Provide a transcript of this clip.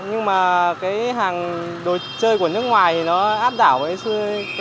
nhưng mà hàng đồ chơi của nước ngoài áp đảo với hàng